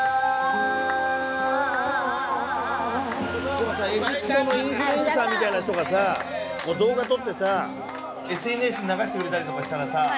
でもさ意外とこのインフルエンサーみたいな人がさ動画撮ってさＳＮＳに流してくれたりとかしたらさ。